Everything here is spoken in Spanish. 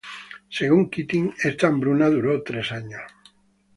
Según Keating esta hambruna duró tres años.